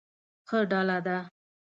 ښه ډله ده.